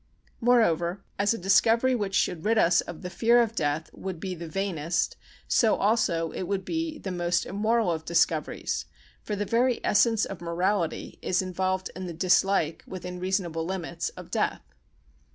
Moreover, as a discovery which should rid us of the fear of death would be the vainest, so also it would be the most immoral of discoveries, for the very essence of morality is involved in the dislike (within reasonable limits) of death.